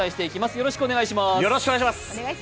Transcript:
よろしくお願いします。